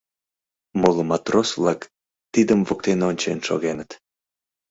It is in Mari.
Моло матрос-влак тидым воктене ончен шогеныт.